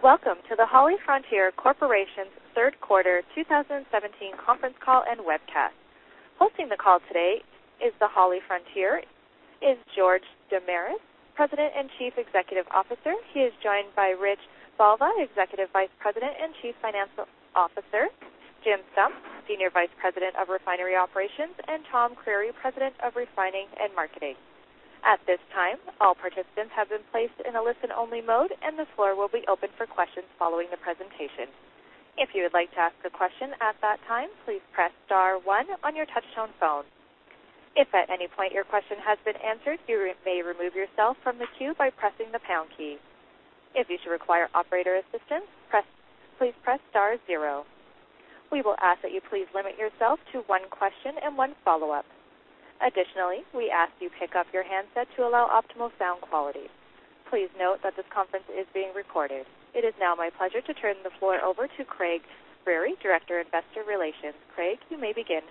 Welcome to the HollyFrontier Corporation's third quarter 2017 conference call and webcast. Hosting the call today is the HollyFrontier is George Damiris, President and Chief Executive Officer. He is joined by Rich Voliva, Executive Vice President and Chief Financial Officer, Jim Stump, Senior Vice President of Refinery Operations, and Tom Creery, President of Refining and Marketing. At this time, all participants have been placed in a listen-only mode, and the floor will be open for questions following the presentation. If you would like to ask a question at that time, please press star one on your touch-tone phone. If at any point your question has been answered, you may remove yourself from the queue by pressing the pound key. If you should require operator assistance, please press star zero. We will ask that you please limit yourself to one question and one follow-up. Additionally, we ask you pick up your handset to allow optimal sound quality. Please note that this conference is being recorded. It is now my pleasure to turn the floor over to Craig Biery, Director of Investor Relations. Craig, you may begin.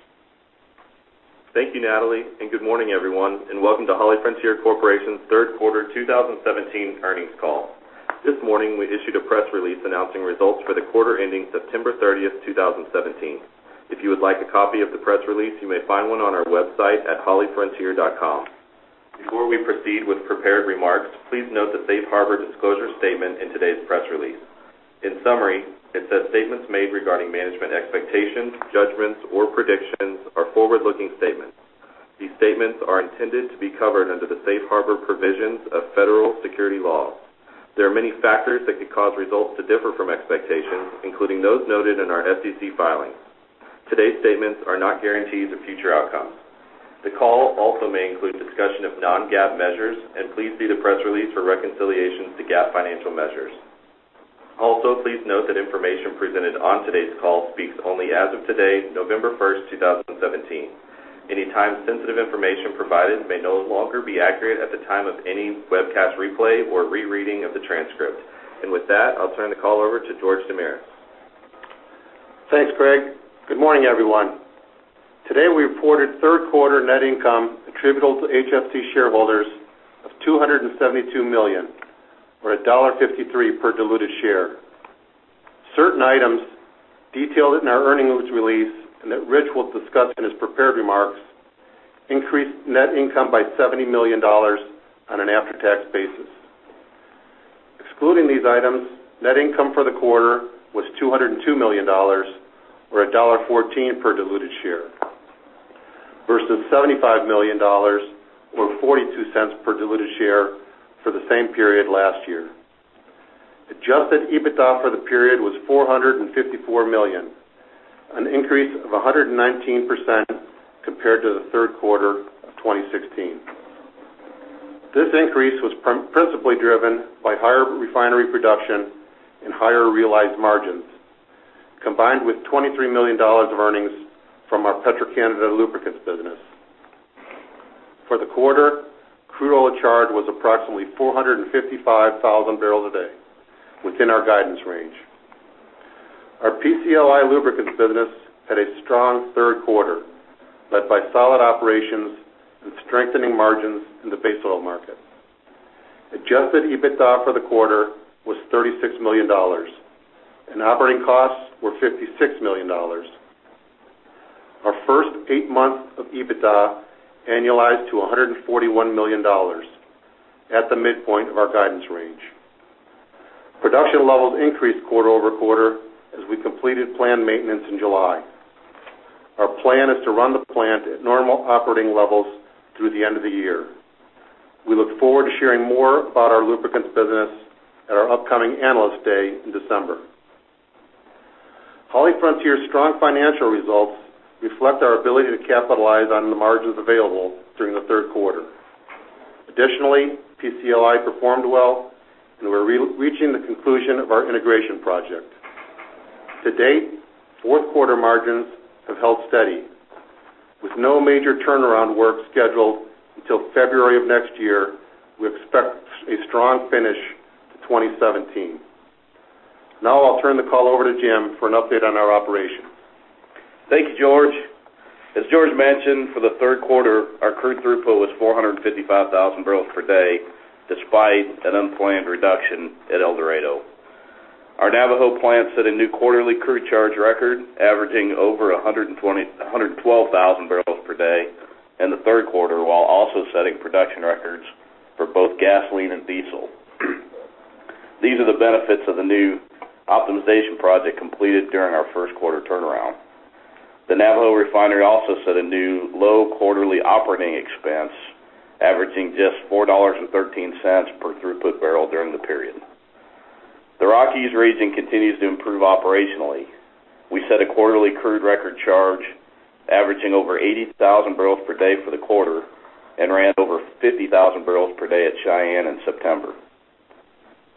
Thank you, Natalie. Good morning, everyone, welcome to HollyFrontier Corporation's third quarter 2017 earnings call. This morning, we issued a press release announcing results for the quarter ending September 30, 2017. If you would like a copy of the press release, you may find one on our website at hollyfrontier.com. Before we proceed with prepared remarks, please note the safe harbor disclosure statement in today's press release. In summary, it says statements made regarding management expectations, judgments, or predictions are forward-looking statements. These statements are intended to be covered under the safe harbor provisions of federal security laws. There are many factors that could cause results to differ from expectations, including those noted in our SEC filings. Today's statements are not guarantees of future outcomes. The call also may include discussion of non-GAAP measures. Please see the press release for reconciliations to GAAP financial measures. Also, please note that information presented on today's call speaks only as of today, November first, 2017. Any time-sensitive information provided may no longer be accurate at the time of any webcast replay or rereading of the transcript. With that, I'll turn the call over to George Damiris. Thanks, Craig. Good morning, everyone. Today, we reported third quarter net income attributable to HFC shareholders of $272 million or $1.53 per diluted share. Certain items detailed in our earnings release and that Rich will discuss in his prepared remarks increased net income by $70 million on an after-tax basis. Excluding these items, net income for the quarter was $202 million or $1.14 per diluted share versus $75 million or $0.42 per diluted share for the same period last year. Adjusted EBITDA for the period was $454 million, an increase of 119% compared to the third quarter of 2016. This increase was principally driven by higher refinery production and higher realized margins, combined with $23 million of earnings from our Petro-Canada Lubricants business. For the quarter, crude oil charge was approximately 455,000 barrels a day within our guidance range. Our PCLI Lubricants business had a strong third quarter, led by solid operations and strengthening margins in the base oil market. Adjusted EBITDA for the quarter was $36 million, and operating costs were $56 million. Our first eight months of EBITDA annualized to $141 million at the midpoint of our guidance range. Production levels increased quarter-over-quarter as we completed plant maintenance in July. Our plan is to run the plant at normal operating levels through the end of the year. We look forward to sharing more about our Lubricants business at our upcoming Analyst Day in December. HollyFrontier's strong financial results reflect our ability to capitalize on the margins available during the third quarter. Additionally, PCLI performed well, and we're reaching the conclusion of our integration project. To date, fourth quarter margins have held steady. With no major turnaround work scheduled until February of next year, we expect a strong finish to 2017. I'll turn the call over to Jim for an update on our operation. Thank you, George. As George mentioned, for the third quarter, our crude throughput was 455,000 barrels per day, despite an unplanned reduction at El Dorado. Our Navajo plant set a new quarterly crude charge record, averaging over 112,000 barrels per day in the third quarter, while also setting production records for both gasoline and diesel. These are the benefits of the new optimization project completed during our first quarter turnaround. The Navajo refinery also set a new low quarterly operating expense, averaging just $4.13 per throughput barrel during the period. The Rockies region continues to improve operationally. We set a quarterly crude record charge, averaging over 80,000 barrels per day for the quarter and ran over 50,000 barrels per day at Cheyenne in September.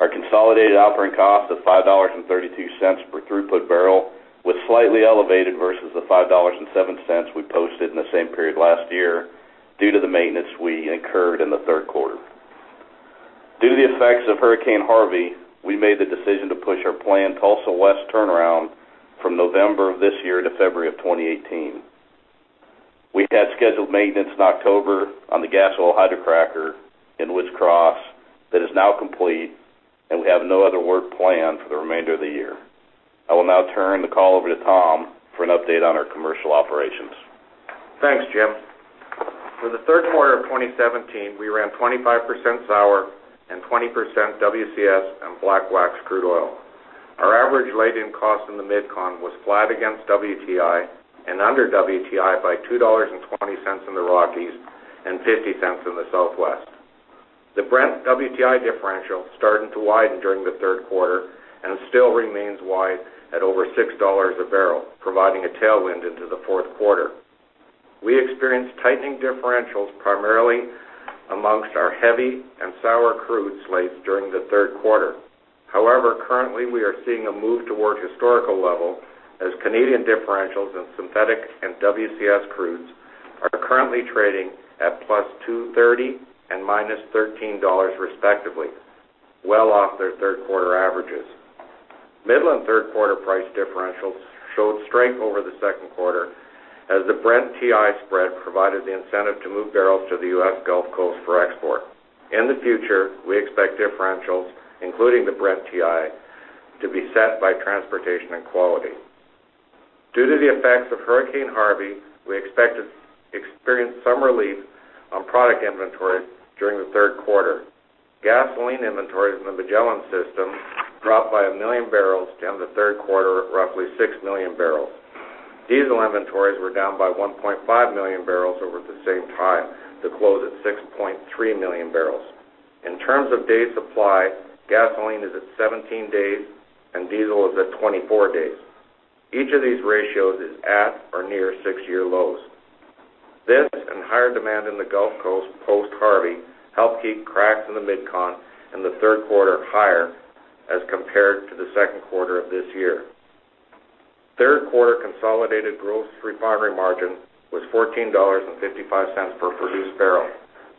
Our consolidated operating cost of $5.32 per throughput barrel was slightly elevated versus the $5.07 we posted in the same period last year due to the maintenance we incurred in the third quarter. Due to the effects of Hurricane Harvey, we made the decision to push our planned Tulsa West turnaround from November of this year to February of 2018. We had scheduled maintenance in October on the gas oil hydrocracker in Woods Cross that is now complete. We have no other work planned for the remainder of the year. I will now turn the call over to Tom for an update on our commercial operations. Thanks, Jim. For the third quarter of 2017, we ran 25% sour and 20% WCS and black wax crude oil. Our average lay-in cost in the MidCon was flat against WTI and under WTI by $2.20 in the Rockies and $0.50 in the Southwest. The Brent-WTI differential started to widen during the third quarter and still remains wide at over $6 a barrel, providing a tailwind into the fourth quarter. We experienced tightening differentials primarily amongst our heavy and sour crude slates during the third quarter. Currently, we are seeing a move toward historical level as Canadian differentials in synthetic and WCS crudes are currently trading at +230 and -$13 respectively, well off their third quarter averages. Midland third quarter price differentials showed strength over the second quarter as the Brent-WTI spread provided the incentive to move barrels to the U.S. Gulf Coast for export. In the future, we expect differentials, including the Brent-WTI, to be set by transportation and quality. Due to the effects of Hurricane Harvey, we expect to experience some relief on product inventory during the third quarter. Gasoline inventories in the Magellan system dropped by 1 million barrels to end the third quarter of roughly 6 million barrels. Diesel inventories were down by 1.5 million barrels over the same time to close at 6.3 million barrels. In terms of day supply, gasoline is at 17 days, and diesel is at 24 days. Each of these ratios is at or near six-year lows. This and higher demand in the Gulf Coast post Harvey helped keep cracks in the MidCon in the third quarter higher as compared to the second quarter of this year. Third quarter consolidated gross refinery margin was $14.55 per produced barrel.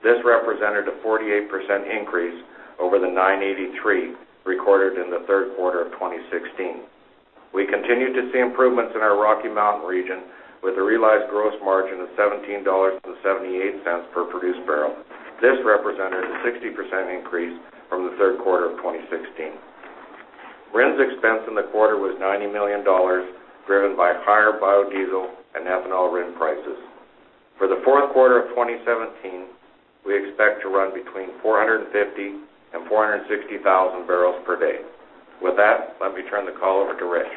This represented a 48% increase over the $9.83 recorded in the third quarter of 2016. We continued to see improvements in our Rocky Mountain region with a realized gross margin of $17.78 per produced barrel. This represented a 60% increase from the third quarter of 2016. RINs expense in the quarter was $90 million, driven by higher biodiesel and ethanol RIN prices. For the fourth quarter of 2017, we expect to run between 450,000 and 460,000 barrels per day. With that, let me turn the call over to Rich.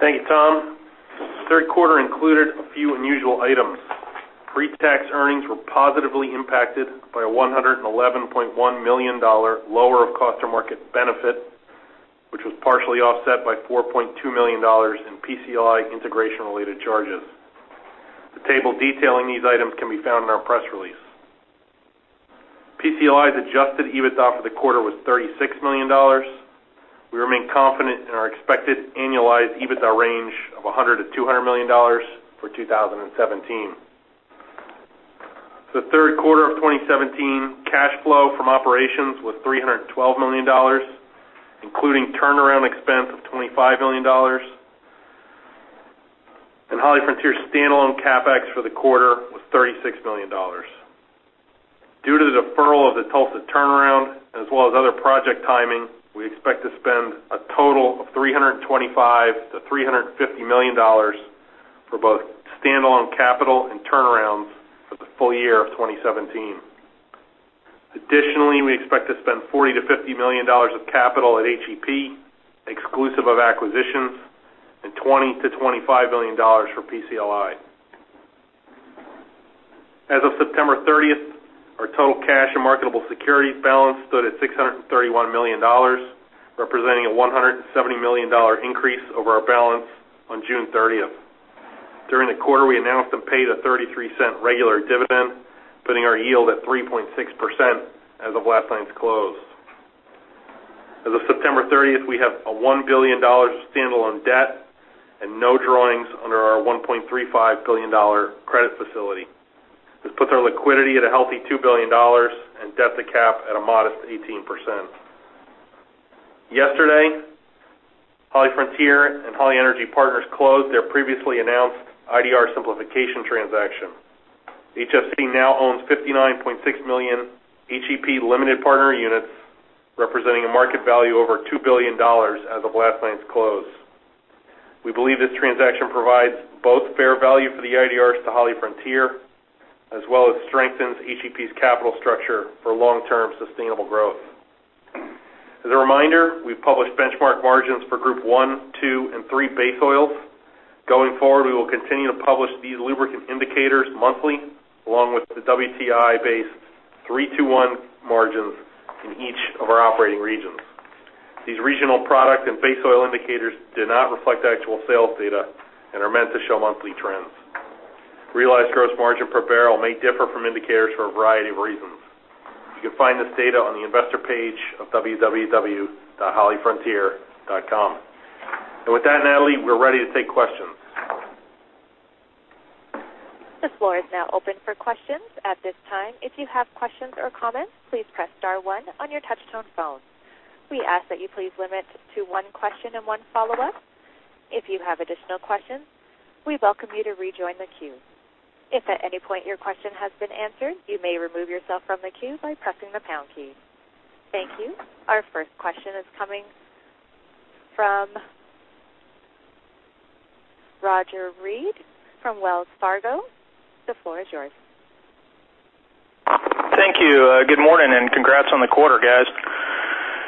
Thank you, Tom. Third quarter included a few unusual items. Pre-tax earnings were positively impacted by a $111.1 million lower of cost or market benefit, which was partially offset by $4.2 million in PCLI integration related charges. The table detailing these items can be found in our press release. PCLI's adjusted EBITDA for the quarter was $36 million. We remain confident in our expected annualized EBITDA range of $100 million to $200 million for 2017. The third quarter of 2017 cash flow from operations was $312 million, including turnaround expense of $25 million. HollyFrontier standalone CapEx for the quarter was $36 million. Due to the deferral of the Tulsa turnaround as well as other project timing, we expect to spend a total of $325 million to $350 million for both standalone capital and turnarounds for the full year of 2017. Additionally, we expect to spend $40 million to $50 million of capital at HEP, exclusive of acquisitions, and $20 million to $25 million for PCLI. As of September 30th, our total cash and marketable securities balance stood at $631 million, representing a $170 million increase over our balance on June 30th. During the quarter, we announced and paid a $0.33 regular dividend, putting our yield at 3.6% as of last night's close. As of September 30th, we have a $1 billion standalone debt and no drawings under our $1.35 billion credit facility. This puts our liquidity at a healthy $2 billion and debt to cap at a modest 18%. Yesterday, HollyFrontier and Holly Energy Partners closed their previously announced IDR simplification transaction. HFC now owns 59.6 million HEP limited partner units, representing a market value over $2 billion as of last night's close. We believe this transaction provides both fair value for the IDRs to HollyFrontier, as well as strengthens HEP's capital structure for long-term sustainable growth. As a reminder, we published benchmark margins for Group I, II, and III base oils. Going forward, we will continue to publish these lubricant indicators monthly, along with the WTI base III, II, I margins in each of our operating regions. These regional product and base oil indicators do not reflect actual sales data and are meant to show monthly trends. Realized gross margin per barrel may differ from indicators for a variety of reasons. You can find this data on the investor page of www.hollyfrontier.com. With that, Natalie, we're ready to take questions. The floor is now open for questions. At this time, if you have questions or comments, please press star one on your touchtone phone. We ask that you please limit to one question and one follow-up. If you have additional questions, we welcome you to rejoin the queue. If at any point your question has been answered, you may remove yourself from the queue by pressing the pound key. Thank you. Our first question is coming from Roger Read from Wells Fargo. The floor is yours. Thank you. Good morning, and congrats on the quarter, guys.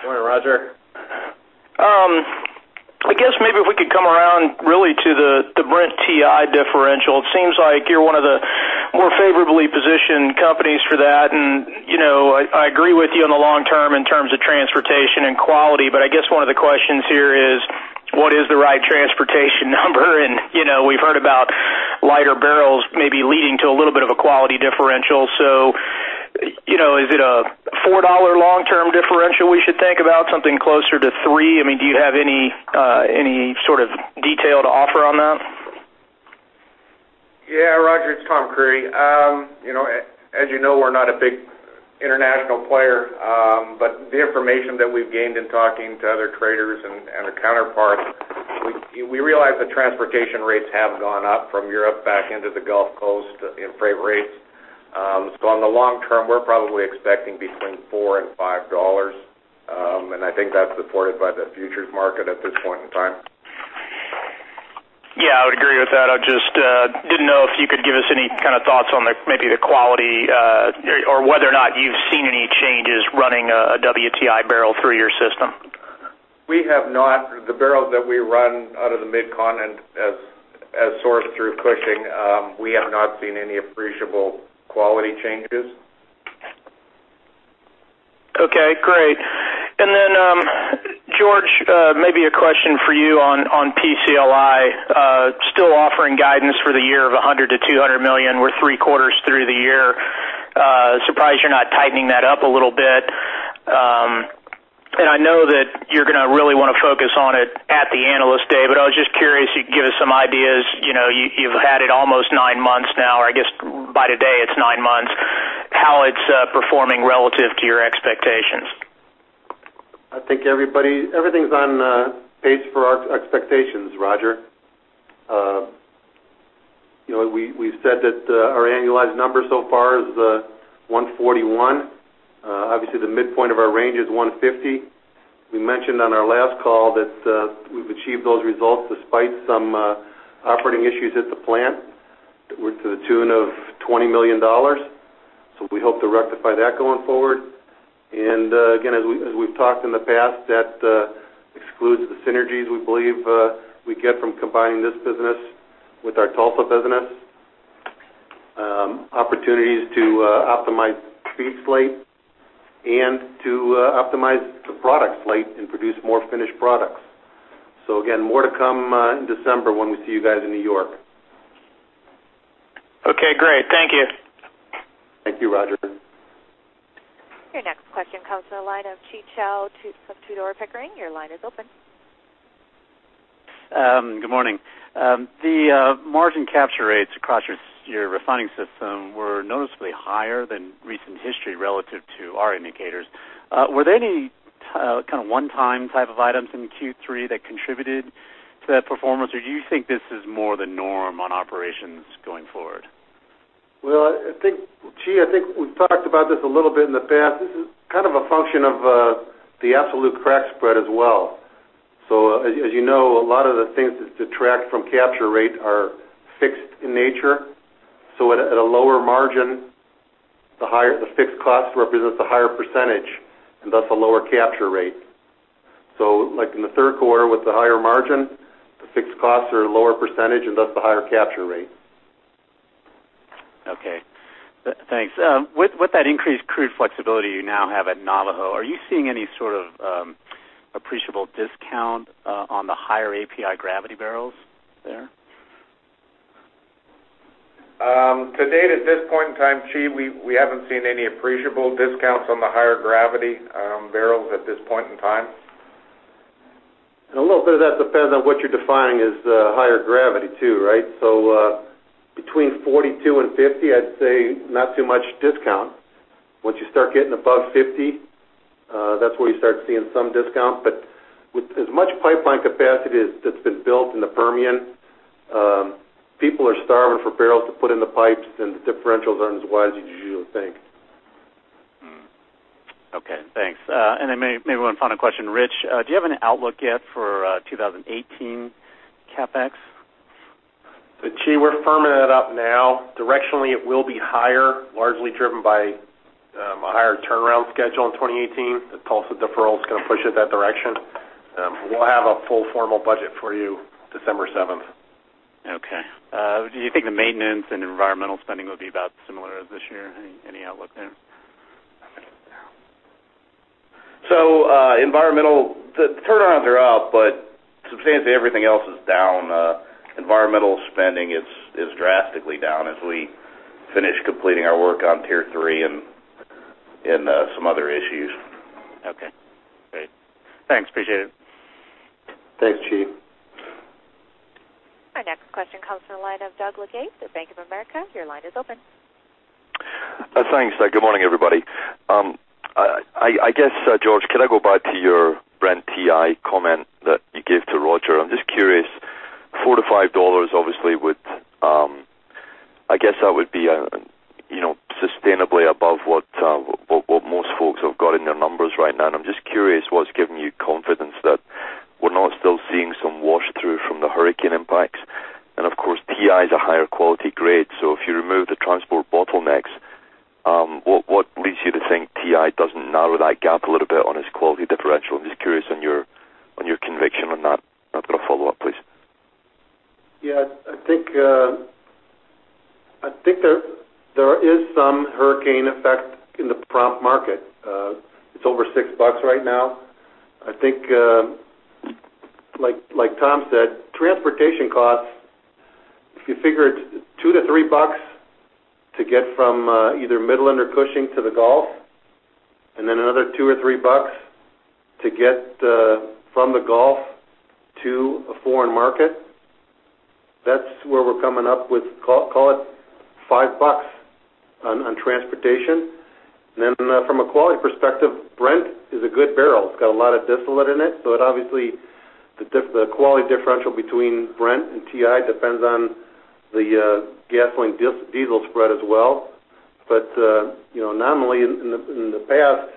Good morning, Roger. I guess maybe if we could come around really to the Brent-WTI differential. It seems like you're one of the more favorably positioned companies for that, and I agree with you on the long term in terms of transportation and quality. I guess one of the questions here is, what is the right transportation number? We've heard about lighter barrels maybe leading to a little bit of a quality differential. Is it a $4 long-term differential we should think about? Something closer to three? Do you have any sort of detail to offer on that? Roger, it's Tom Creery. As you know, we're not a big international player. The information that we've gained in talking to other traders and our counterparts, we realize the transportation rates have gone up from Europe back into the Gulf Coast in freight rates. In the long term, we're probably expecting between $4 and $5. I think that's supported by the futures market at this point in time. I would agree with that. I just didn't know if you could give us any thoughts on maybe the quality or whether or not you've seen any changes running a WTI barrel through your system. We have not. The barrels that we run out of the Mid-Con and as sourced through Cushing, we have not seen any appreciable quality changes. Great. George, maybe a question for you on PCLI. Still offering guidance for the year of $100 million-$200 million. We're three quarters through the year. Surprised you're not tightening that up a little bit. I know that you're going to really want to focus on it at the Analyst Day, I was just curious if you could give us some ideas. You've had it almost nine months now, or I guess by today it's nine months, how it's performing relative to your expectations. I think everything's on pace for our expectations, Roger. We've said that our annualized number so far is 141. Obviously, the midpoint of our range is 150. We mentioned on our last call that we've achieved those results despite some operating issues at the plant to the tune of $20 million. We hope to rectify that going forward. Again, as we've talked in the past, that excludes the synergies we believe we get from combining this business with our Tulsa business. Opportunities to optimize feed slate and to optimize the product slate and produce more finished products. Again, more to come in December when we see you guys in New York. Okay, great. Thank you. Thank you, Roger. Your next question comes from the line of Chi Chow from Tudor, Pickering. Your line is open. Good morning. The margin capture rates across your refining system were noticeably higher than recent history relative to our indicators. Were there any one-time type of items in Q3 that contributed to that performance, or do you think this is more the norm on operations going forward? Well, Chi, I think we've talked about this a little bit in the past. This is a function of the absolute crack spread as well. As you know, a lot of the things that detract from capture rate are fixed in nature. At a lower margin, the fixed cost represents a higher percentage and thus a lower capture rate. Like in the third quarter with the higher margin, the fixed costs are a lower percentage and thus the higher capture rate. Okay, thanks. With that increased crude flexibility you now have at Navajo, are you seeing any sort of appreciable discount on the higher API gravity barrels there? To date, at this point in time, Chi, we haven't seen any appreciable discounts on the higher gravity barrels at this point in time. A little bit of that depends on what you're defining as higher gravity, too, right? Between 42 and 50, I'd say not too much discount. Once you start getting above 50, that's where you start seeing some discount. With as much pipeline capacity that's been built in the Permian, people are starving for barrels to put in the pipes, and the differentials aren't as wide as you'd usually think. Okay, thanks. Then maybe one final question. Rich, do you have an outlook yet for 2018 CapEx? Chi, we're firming it up now. Directionally, it will be higher, largely driven by a higher turnaround schedule in 2018. The Tulsa deferral is going to push it that direction. We'll have a full formal budget for you December 7th. Okay. Do you think the maintenance and environmental spending will be about similar as this year? Any outlook there? Environmental, the turnarounds are up, but substantially everything else is down. Environmental spending is drastically down as we finish completing our work on Tier 3 and some other issues. Okay, great. Thanks, appreciate it. Thanks, Chi. comes from the line of Doug Leggate at Bank of America. Your line is open. Thanks. Good morning, everybody. I guess, George, could I go back to your Brent TI comment that you gave to Roger? I am just curious, $4-$5, obviously, I guess that would be sustainably above what most folks have got in their numbers right now. I am just curious what is giving you confidence that we are not still seeing some wash through from the hurricane impacts? Of course, TI is a higher quality grade. If you remove the transport bottlenecks, what leads you to think TI does not narrow that gap a little bit on its quality differential? I am just curious on your conviction on that. I have got a follow-up, please. Yeah, I think there is some hurricane effect in the prompt market. It is over $6 right now. I think, like Tom said, transportation costs, if you figured $2-$3 to get from either Midland or Cushing to the Gulf, and then another $2 or $3 to get from the Gulf to a foreign market, that is where we are coming up with, call it, $5 on transportation. From a quality perspective, Brent is a good barrel. It has got a lot of distillate in it. Obviously, the quality differential between Brent and TI depends on the gasoline diesel spread as well. Nominally in the past,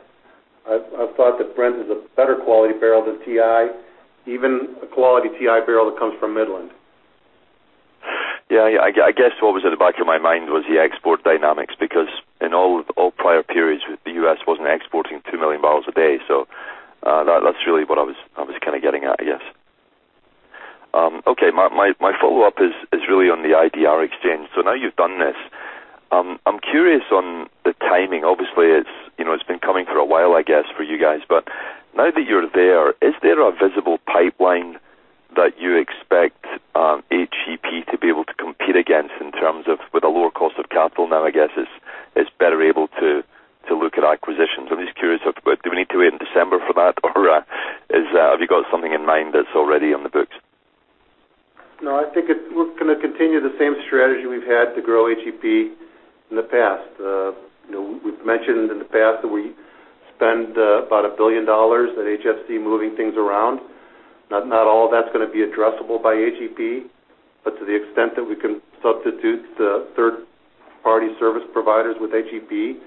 I have thought that Brent is a better quality barrel than TI, even a quality TI barrel that comes from Midland. Yeah. I guess what was at the back of my mind was the export dynamics, because in all prior periods, the U.S. was not exporting 2 million barrels a day. That is really what I was getting at, I guess. Okay. My follow-up is really on the IDR exchange. Now you have done this. I am curious on the timing. Obviously, it has been coming for a while, I guess, for you guys. Now that you are there, is there a visible pipeline that you expect HEP to be able to compete against in terms of with a lower cost of capital now, I guess, is better able to look at acquisitions? I am just curious, do we need to wait in December for that? Have you got something in mind that is already on the books? No, I think we are going to continue the same strategy we have had to grow HEP in the past. We have mentioned in the past that we spend about $1 billion at HFC moving things around. Not all of that is going to be addressable by HEP. To the extent that we can substitute the third-party service providers with HEP, we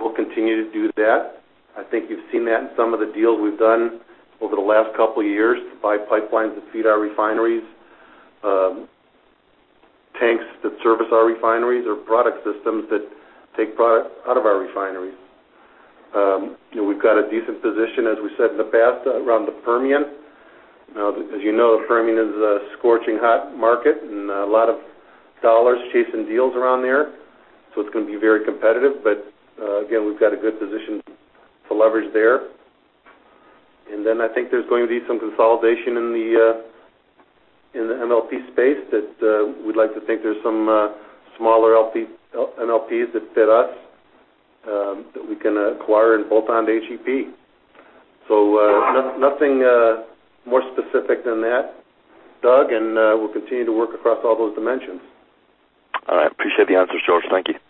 will continue to do that. I think you have seen that in some of the deals we have done over the last couple of years to buy pipelines that feed our refineries, tanks that service our refineries or product systems that take product out of our refineries. We have got a decent position, as we said in the past, around the Permian. As you know, the Permian is a scorching hot market and a lot of dollars chasing deals around there. It's going to be very competitive, again, we've got a good position to leverage there. I think there's going to be some consolidation in the MLP space that we'd like to think there's some smaller MLPs that fit us, that we can acquire and bolt on to HEP. Nothing more specific than that, Doug, and we'll continue to work across all those dimensions. All right. Appreciate the answers, George. Thank you.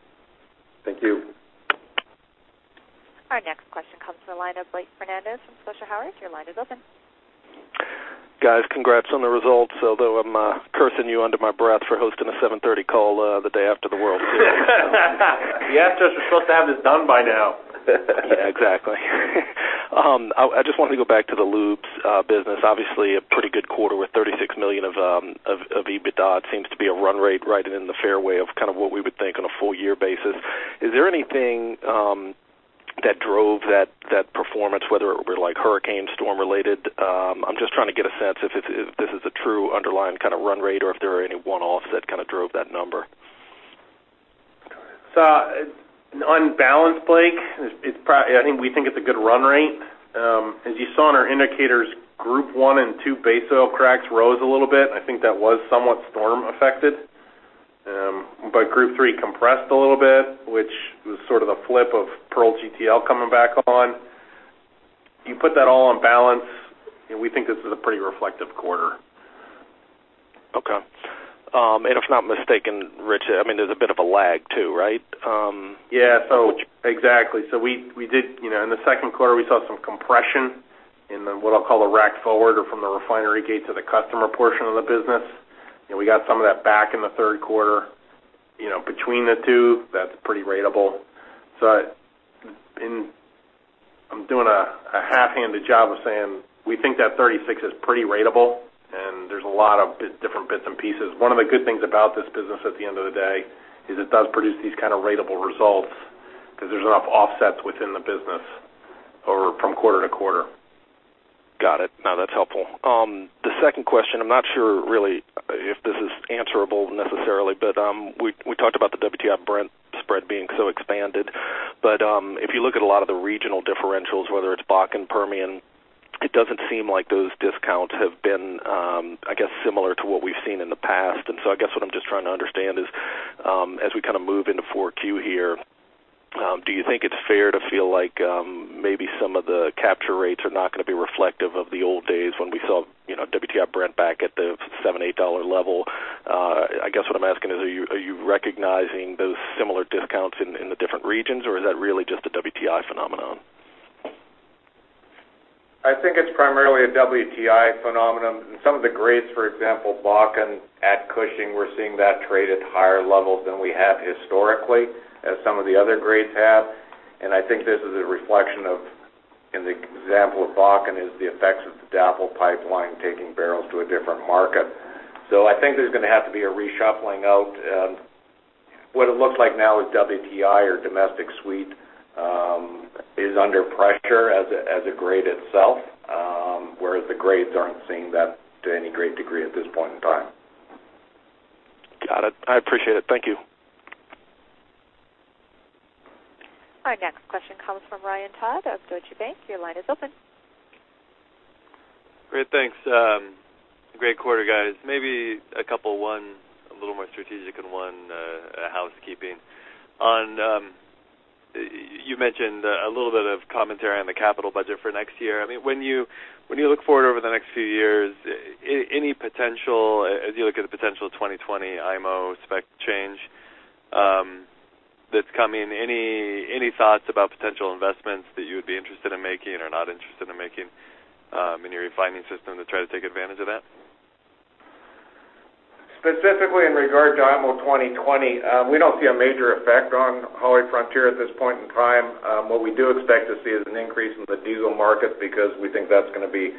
Thank you. Our next question comes from the line of Blake Fernandez from Scotia Howard Weil. Your line is open. Guys, congrats on the results, although I'm cursing you under my breath for hosting a 7:30 A.M. call the day after the World Series. We asked you if you're supposed to have this done by now. Yeah, exactly. I just wanted to go back to the lubes business. Obviously, a pretty good quarter with $36 million of EBITDA. It seems to be a run rate right in the fairway of what we would think on a full year basis. Is there anything that drove that performance, whether it were hurricane, storm-related? I'm just trying to get a sense if this is a true underlying run rate or if there are any one-offs that drove that number. On balance, Blake, I think we think it's a good run rate. As you saw in our indicators, Group I and II base oil cracks rose a little bit. I think that was somewhat storm affected. Group III compressed a little bit, which was sort of the flip of Pearl GTL coming back on. You put that all on balance, and we think this is a pretty reflective quarter. If I'm not mistaken, Rich, there's a bit of a lag, too, right? Yeah. Exactly. In the second quarter, we saw some compression in the, what I'll call the rack forward or from the refinery gate to the customer portion of the business. We got some of that back in the third quarter. Between the two, that's pretty ratable. I'm doing a half-handed job of saying we think that 36 is pretty ratable, and there's a lot of different bits and pieces. One of the good things about this business at the end of the day is it does produce these ratable results because there's enough offsets within the business from quarter to quarter. Got it. No, that's helpful. The second question, I'm not sure really if this is answerable necessarily, but we talked about the WTI Brent spread being so expanded. If you look at a lot of the regional differentials, whether it's Bakken, Permian, it doesn't seem like those discounts have been similar to what we've seen in the past. I guess what I'm just trying to understand is, as we move into 4Q here Do you think it's fair to feel like maybe some of the capture rates are not going to be reflective of the old days when we saw WTI Brent back at the $7, $8 level? I guess what I'm asking is, are you recognizing those similar discounts in the different regions, or is that really just a WTI phenomenon? I think it's primarily a WTI phenomenon. In some of the grades, for example, Bakken at Cushing, we're seeing that trade at higher levels than we have historically, as some of the other grades have. I think this is a reflection of, in the example of Bakken, is the effects of the DAPL pipeline taking barrels to a different market. I think there's going to have to be a reshuffling out. What it looks like now is WTI or domestic sweet is under pressure as a grade itself whereas the grades aren't seeing that to any great degree at this point in time. Got it. I appreciate it. Thank you. Our next question comes from Ryan Todd of Deutsche Bank. Your line is open. Great. Thanks. Great quarter, guys. Maybe a couple, one a little more strategic and one housekeeping. You mentioned a little bit of commentary on the capital budget for next year. When you look forward over the next few years, as you look at the potential 2020 IMO spec change that's coming, any thoughts about potential investments that you would be interested in making or not interested in making in your refining system to try to take advantage of that? Specifically in regard to IMO 2020, we don't see a major effect on HollyFrontier at this point in time. What we do expect to see is an increase in the diesel market because we think that's going to be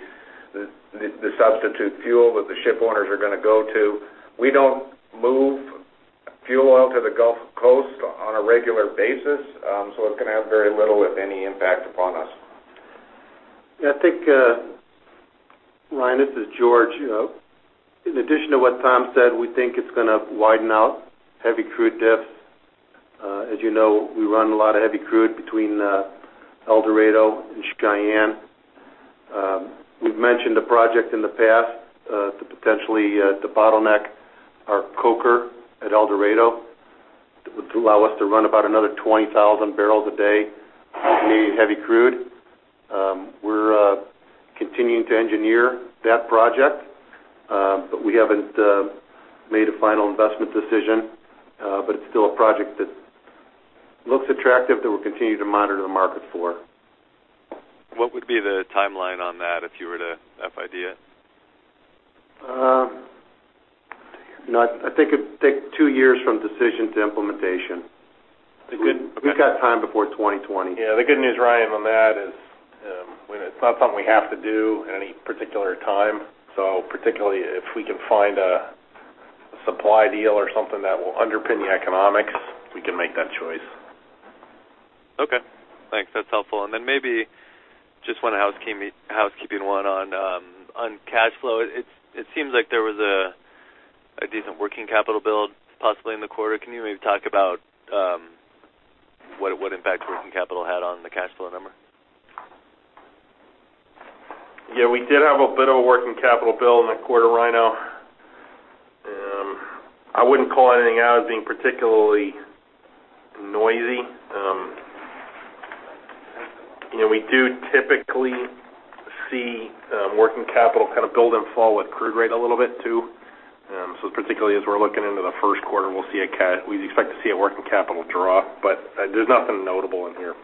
the substitute fuel that the ship owners are going to go to. We don't move fuel oil to the Gulf Coast on a regular basis. It's going to have very little, if any, impact upon us. Yeah, I think, Ryan, this is George. In addition to what Tom said, we think it's going to widen out heavy crude diff. As you know, we run a lot of heavy crude between El Dorado and Cheyenne. We've mentioned a project in the past to potentially debottleneck our coker at El Dorado to allow us to run about another 20,000 barrels a day of heavy crude. We're continuing to engineer that project, we haven't made a final investment decision. It's still a project that looks attractive that we'll continue to monitor the market for. What would be the timeline on that if you were to FID it? I think it'd take two years from decision to implementation. We've got time before 2020. Yeah, the good news, Ryan, on that is it's not something we have to do at any particular time. Particularly if we can find a supply deal or something that will underpin the economics, we can make that choice. Okay, thanks. That's helpful. Then maybe just one housekeeping one on cash flow. It seems like there was a decent working capital build possibly in the quarter. Can you maybe talk about what impact working capital had on the cash flow number? Yeah, we did have a bit of a working capital build in the quarter, Ryan. I wouldn't call anything out as being particularly noisy. We do typically see working capital build and fall with crude grade a little bit, too. Particularly as we're looking into the first quarter, we expect to see a working capital draw. There's nothing notable in here.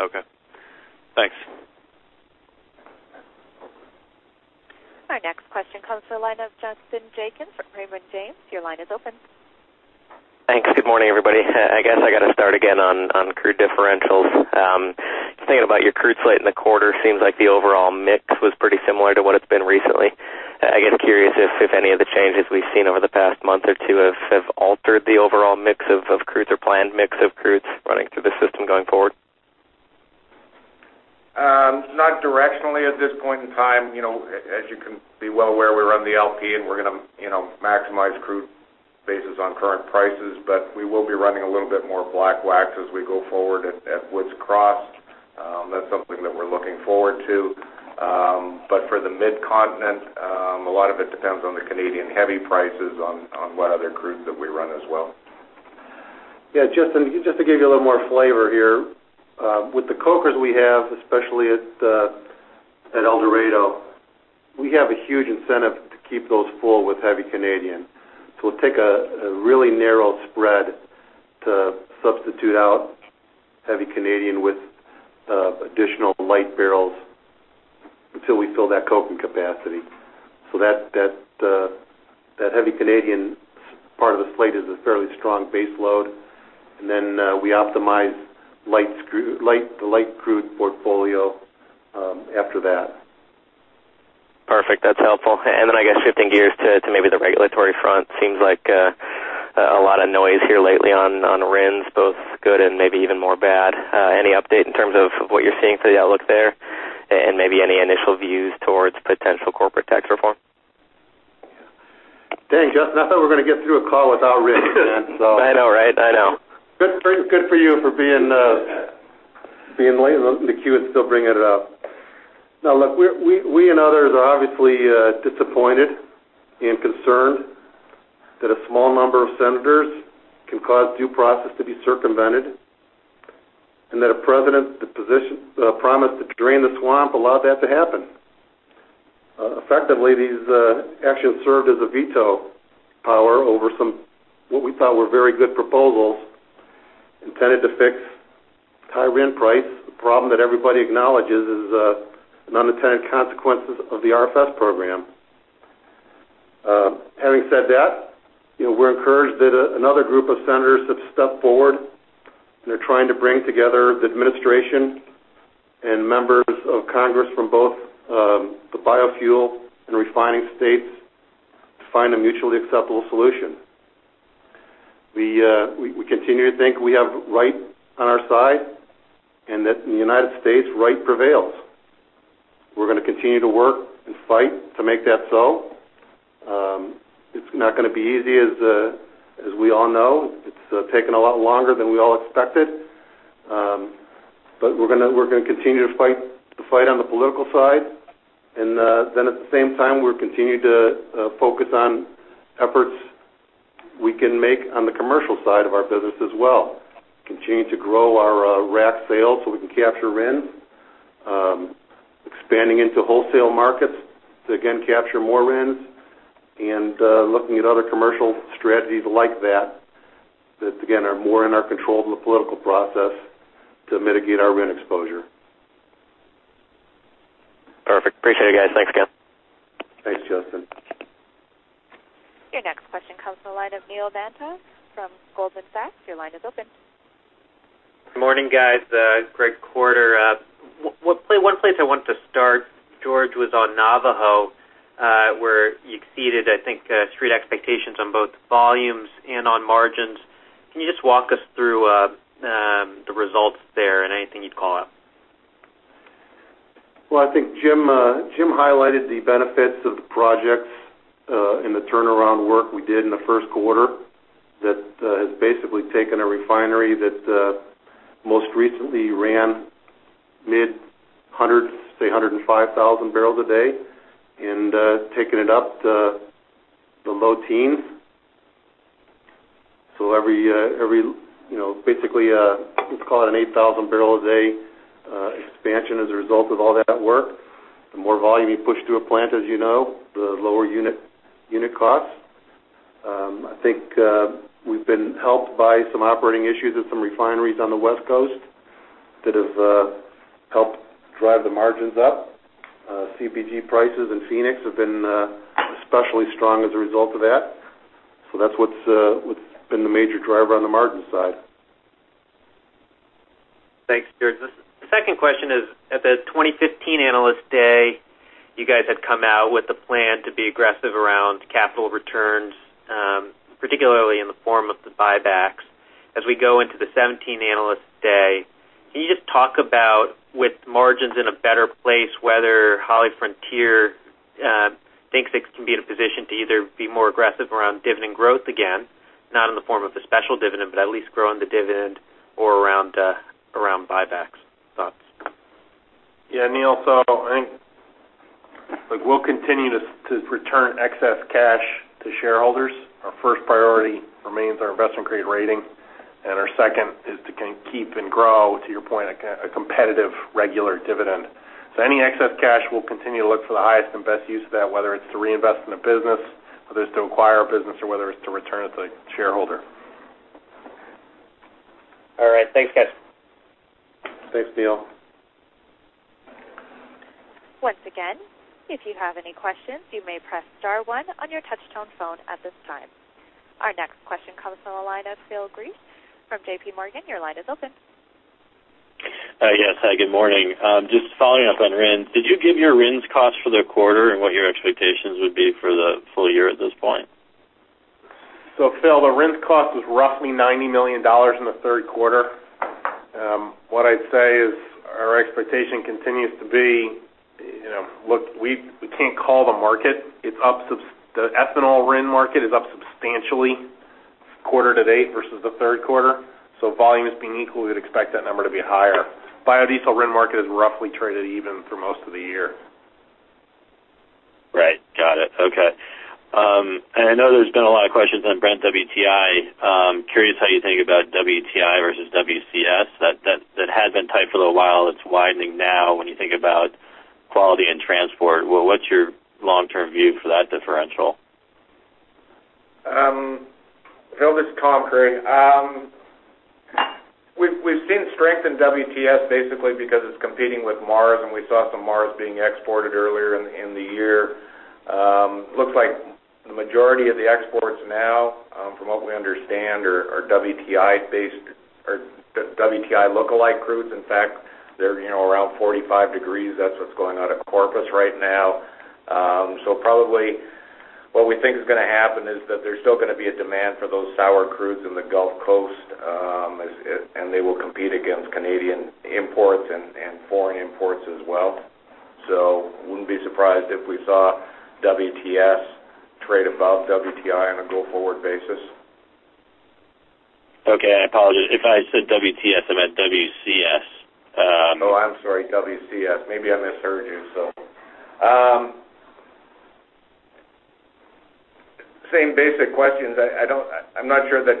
Okay, thanks. Our next question comes to the line of Justin Jenkins from Raymond James. Your line is open. Thanks. Good morning, everybody. I guess I got to start again on crude differentials. Just thinking about your crude slate in the quarter, seems like the overall mix was pretty similar to what it's been recently. I am curious if any of the changes we've seen over the past month or two have altered the overall mix of crudes or planned mix of crudes running through the system going forward. Not directionally at this point in time. As you can be well aware, we run the LP and we're going to maximize crude basis on current prices. We will be running a little bit more black wax as we go forward at Woods Cross. That's something that we're looking forward to. For the Mid-Continent, a lot of it depends on the Canadian heavy prices on what other crudes that we run as well. Yeah, Justin, just to give you a little more flavor here. With the cokers we have, especially at El Dorado, we have a huge incentive to keep those full with heavy Canadian. It will take a really narrow spread to substitute out heavy Canadian with additional light barrels until we fill that coker capacity. That heavy Canadian part of the slate is a fairly strong base load. We optimize the light crude portfolio after that. Perfect. That's helpful. I guess shifting gears to maybe the regulatory front. Seems like a lot of noise here lately on RINs, both good and maybe even more bad. Any update in terms of what you're seeing for the outlook there, and maybe any initial views towards potential corporate tax reform? Dang, Justin, I thought we were going to get through a call without RINs, man. I know, right? I know. Good for you for being Look, we and others are obviously disappointed and concerned that a small number of senators can cause due process to be circumvented, and that a president that promised to drain the swamp allowed that to happen. Effectively, these actions served as a veto power over what we thought were very good proposals intended to fix high RIN price, a problem that everybody acknowledges is an unintended consequence of the RFS program. Having said that, we're encouraged that another group of senators have stepped forward, and they're trying to bring together the administration and members of Congress from both the biofuel and refining states to find a mutually acceptable solution. We continue to think we have right on our side and that in the United States, right prevails. We're going to continue to work and fight to make that so. It's not going to be easy, as we all know. It's taken a lot longer than we all expected. We're going to continue to fight the fight on the political side. At the same time, we'll continue to focus on efforts we can make on the commercial side of our business as well. Continue to grow our rack sales so we can capture RINs, expanding into wholesale markets to, again, capture more RINs, and looking at other commercial strategies like that again, are more in our control than the political process to mitigate our RIN exposure. Perfect. Appreciate it, guys. Thanks again. Thanks, Justin. Your next question comes from the line of Neil Mehta from Goldman Sachs. Your line is open. Good morning, guys. Great quarter. One place I wanted to start, George, was on Navajo, where you exceeded, I think, street expectations on both volumes and on margins. Can you just walk us through the results there and anything you'd call out? Well, I think Jim highlighted the benefits of the projects in the turnaround work we did in the first quarter that has basically taken a refinery that most recently ran mid-100s, say 105,000 barrels a day and taken it up to the low teens. Basically, let's call it an 8,000 barrels a day expansion as a result of all that work. The more volume you push through a plant, as you know, the lower unit costs. I think we've been helped by some operating issues at some refineries on the West Coast that have helped drive the margins up. CBOB prices in Phoenix have been especially strong as a result of that. That's what's been the major driver on the margin side. Thanks, George. The second question is, at the 2015 Analyst Day, you guys had come out with a plan to be aggressive around capital returns, particularly in the form of the buybacks. We go into the 2017 Analyst Day, can you just talk about, with margins in a better place, whether HollyFrontier thinks it can be in a position to either be more aggressive around dividend growth again, not in the form of a special dividend, but at least growing the dividend or around buybacks? Thoughts. Yeah, Neil, I think we'll continue to return excess cash to shareholders. Our first priority remains our investment-grade rating, and our second is to keep and grow, to your point, a competitive regular dividend. Any excess cash, we'll continue to look for the highest and best use of that, whether it's to reinvest in the business, whether it's to acquire a business, or whether it's to return it to shareholder. All right. Thanks, guys. Thanks, Neil. Once again, if you have any questions, you may press star one on your touch-tone phone at this time. Our next question comes from the line of Phil Gresh from J.P. Morgan. Your line is open. Yes. Hi, good morning. Just following up on RINs. Did you give your RINs cost for the quarter and what your expectations would be for the full year at this point? Phil, the RINs cost was roughly $90 million in the third quarter. What I'd say is our expectation continues to be, we can't call the market. The ethanol RIN market is up substantially quarter to date versus the third quarter. Volumes being equal, we'd expect that number to be higher. Biodiesel RIN market has roughly traded even for most of the year. Right. Got it. Okay. I know there's been a lot of questions on Brent WTI. Curious how you think about WTI versus WCS. That had been tight for a little while. It's widening now when you think about quality and transport. What's your long-term view for that differential? Phil, this is Tom Creery. We've seen strength in WTS basically because it's competing with Mars, and we saw some Mars being exported earlier in the year. Looks like the majority of the exports now, from what we understand, are WTI lookalike crudes. In fact, they're around 45 degrees. That's what's going out of Corpus right now. Probably what we think is going to happen is that there's still going to be a demand for those sour crudes in the Gulf Coast, and they will compete against Canadian imports and foreign imports as well. Wouldn't be surprised if we saw WTS trade above WTI on a go-forward basis. Okay, I apologize. If I said WTS, I meant WCS. Oh, I'm sorry, WCS. Maybe I misheard you. Same basic questions. I'm not sure that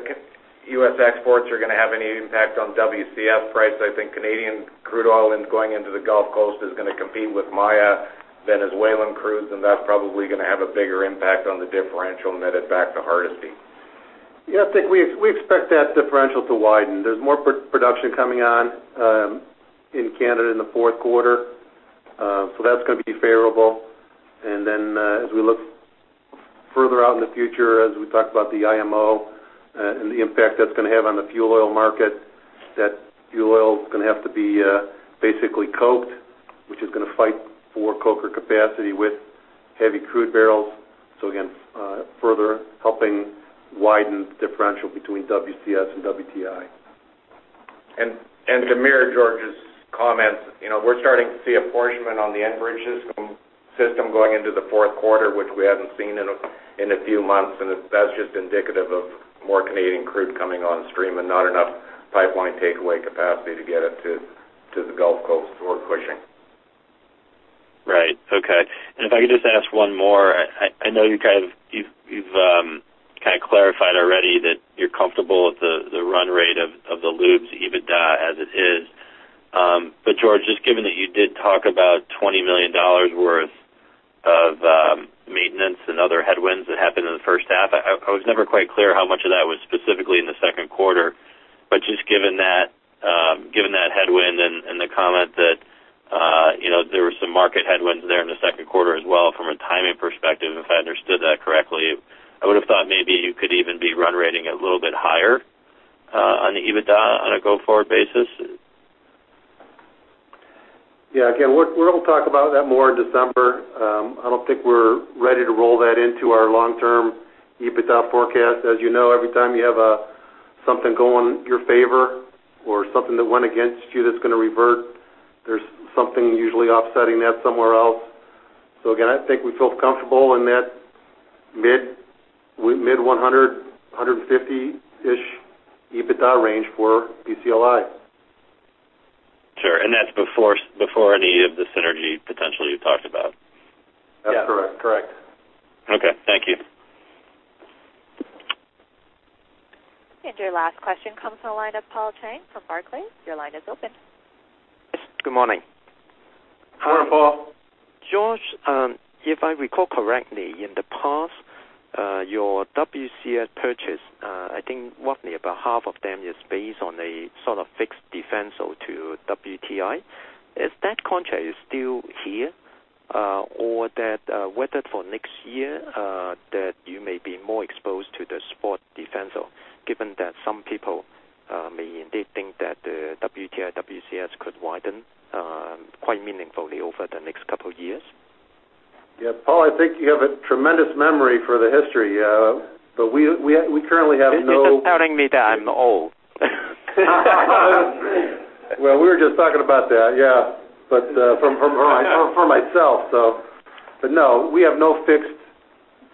U.S. exports are going to have any impact on WCS price. I think Canadian crude oil going into the Gulf Coast is going to compete with Maya Venezuelan crudes, and that's probably going to have a bigger impact on the differential and that impact to Hardisty. Yeah, I think we expect that differential to widen. There's more production coming on in Canada in the fourth quarter. That's going to be favorable. As we look further out in the future, as we talk about the IMO and the impact that's going to have on the fuel oil market, that fuel oil is going to have to be basically coked, which is going to fight for coker capacity with heavy crude barrels. Again, further helping widen the differential between WCS and WTI. To mirror George's comments, we're starting to see an apportionment on the Enbridge system going into the fourth quarter, which we haven't seen in a few months, and that's just indicative of more Canadian crude coming on stream and not enough pipeline takeaway capacity to get it to the Gulf Coast or Cushing. Right. Okay. If I could just ask one more, I know you've kind of clarified already that you're comfortable with the run rate of the lubes EBITDA as it is. George, just given that you did talk about $20 million worth of maintenance and other headwinds that happened in the first half, I was never quite clear how much of that was specifically in the second quarter. Just given that headwind and the comment that there were some market headwinds there in the second quarter as well from a timing perspective, if I understood that correctly, I would have thought maybe you could even be run rating a little bit higher on the EBITDA on a go-forward basis. Yeah. Again, we're going to talk about that more in December. I don't think we're ready to roll that into our long-term EBITDA forecast. As you know, every time you have something going your favor or something that went against you that's going to revert, there's something usually offsetting that somewhere else. Again, I think we feel comfortable in that mid-100, 150-ish EBITDA range for PCLI. Sure. That's before any of the synergy potential you talked about. That's correct. Yeah. Correct. Okay. Thank you. Your last question comes on the line of Paul Cheng from Barclays. Your line is open. Yes, good morning. Hi, Paul. George, if I recall correctly, in the past your WCS purchase, I think roughly about half of them is based on a sort of fixed differential to WTI. Is that contract is still here, or whether for next year that you may be more exposed to the spot differential given that some people may indeed think that the WTI, WCS could widen quite meaningfully over the next couple of years? Yeah, Paul, I think you have a tremendous memory for the history. We currently have no. This is telling me that I'm old. Well, we were just talking about that, yeah. For myself, so no, we have no fixed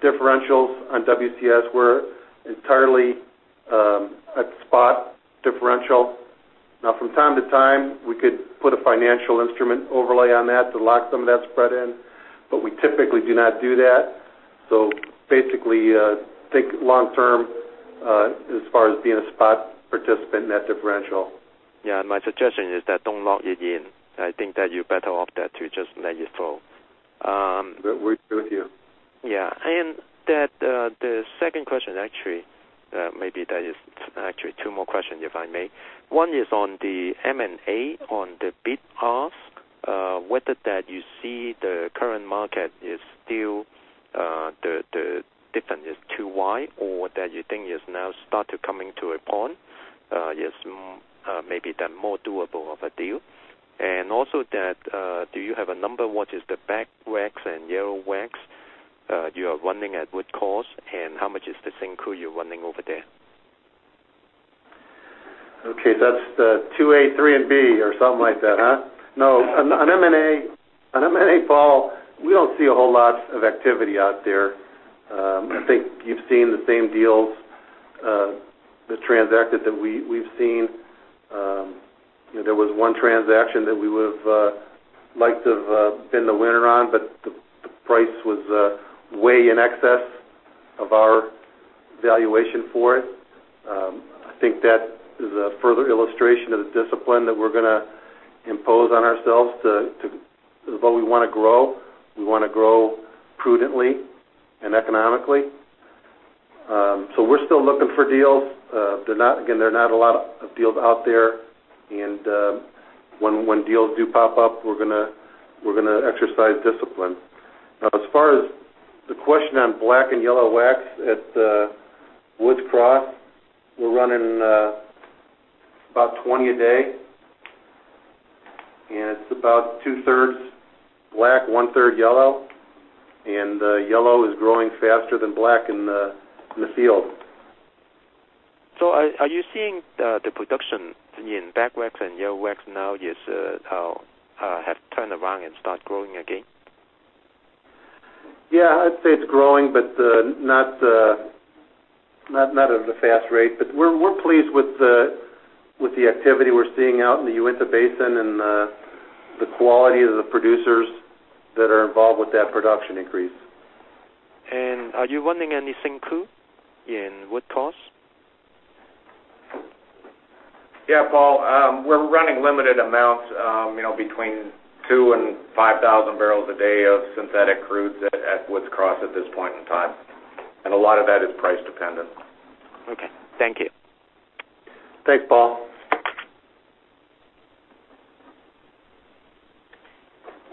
differentials on WCS. We're entirely a spot differential. Now, from time to time, we could put a financial instrument overlay on that to lock some of that spread in, but we typically do not do that. Basically, think long term as far as being a spot participant in that differential. Yeah, my suggestion is that don't lock it in. I think that you're better off that to just let it flow. We're with you. Yeah. The second question, actually, maybe that is actually two more questions, if I may. One is on the M&A on the bid ask, whether that you see the current market is still the difference is too wide or that you think is now start to coming to a point, is maybe the more doable of a deal. Also, do you have a number what is the black wax and yellow wax you are running at Woods Cross, and how much is the syncrude you're running over there? Okay, that's the 2A, 3 and B or something like that, huh? On M&A, Paul, we don't see a whole lot of activity out there. I think you've seen the same deals that's transacted that we've seen. There was one transaction that we would've liked to have been the winner on, but the price was way in excess of our valuation for it. I think that is a further illustration of the discipline that we're going to impose on ourselves though we want to grow, we want to grow prudently and economically. We're still looking for deals. Again, there are not a lot of deals out there. When deals do pop up, we're going to exercise discipline. As far as the question on black wax and yellow wax at Woods Cross, we're running about 20 a day, it's about two-thirds black, one-third yellow is growing faster than black in the field. Are you seeing the production in black wax and yellow wax now is have turned around and start growing again? Yeah, I'd say it's growing, not at a fast rate. We're pleased with the activity we're seeing out in the Uinta Basin and the quality of the producers that are involved with that production increase. Are you running any syncrude in Woods Cross? Yeah, Paul. We're running limited amounts, between 2,000 and 5,000 barrels a day of synthetic crudes at Woods Cross at this point in time. A lot of that is price dependent. Okay. Thank you. Thanks, Paul.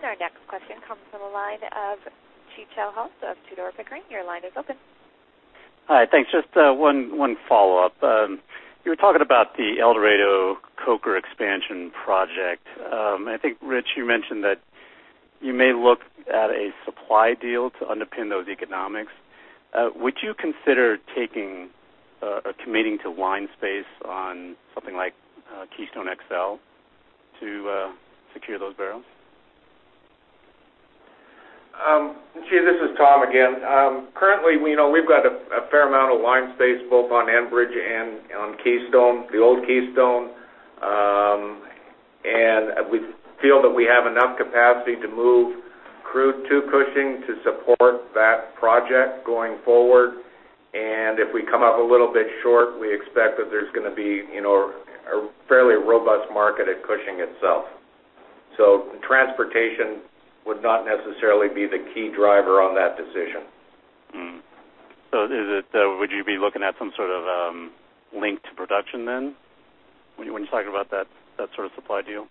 Our next question comes from the line of Chi Chow of Tudor, Pickering, Holt & Co. Your line is open. Hi. Thanks. Just one follow-up. You were talking about the El Dorado coker expansion project. I think, Rich, you mentioned that you may look at a supply deal to underpin those economics. Would you consider taking or committing to line space on something like Keystone XL to secure those barrels? Chi, this is Tom again. Currently, we've got a fair amount of line space both on Enbridge and on Keystone, the old Keystone. We feel that we have enough capacity to move crude to Cushing to support that project going forward. If we come up a little bit short, we expect that there's going to be a fairly robust market at Cushing itself. Transportation would not necessarily be the key driver on that decision. Would you be looking at some sort of linked production then when you're talking about that sort of supply deal?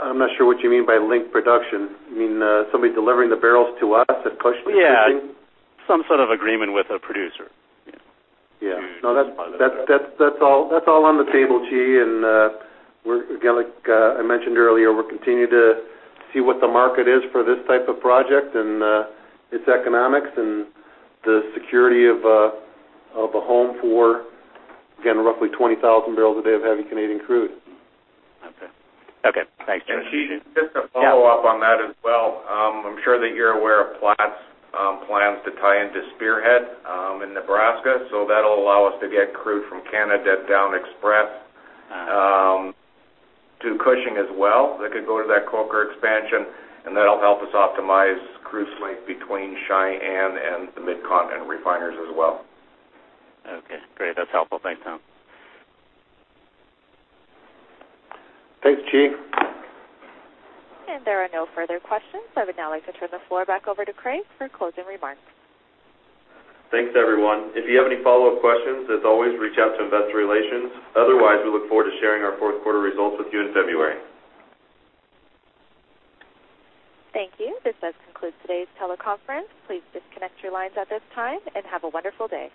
I'm not sure what you mean by linked production. You mean somebody delivering the barrels to us at Cushing? Yeah. Some sort of agreement with a producer. Yeah. No, that's all on the table, Chi, and again, like I mentioned earlier, we'll continue to see what the market is for this type of project and its economics and the security of a home for, again, roughly 20,000 barrels a day of heavy Canadian crude. Okay. Thanks. Chi, just to follow up on that as well. I'm sure that you're aware of Platts plans to tie into Spearhead in Nebraska, so that'll allow us to get crude from Canada down Express to Cushing as well. That could go to that coker expansion, and that'll help us optimize crude slate between Cheyenne and the Midcontinent refiners as well. Great. That's helpful. Thanks, Tom. Thanks, Chi. There are no further questions. I would now like to turn the floor back over to Craig for closing remarks. Thanks, everyone. If you have any follow-up questions, as always, reach out to investor relations. Otherwise, we look forward to sharing our fourth quarter results with you in February. Thank you. This does conclude today's teleconference. Please disconnect your lines at this time and have a wonderful day.